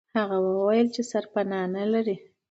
هغه وویل چې سرپنا نه لري.